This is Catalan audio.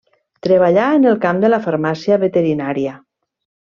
Treballà en el camp de la farmàcia veterinària.